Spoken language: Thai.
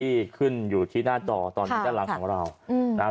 ที่ขึ้นอยู่ที่หน้าจอตอนนี้ด้านหลังของเรานะครับ